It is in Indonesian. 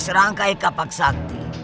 tiga serangkai kapak sakti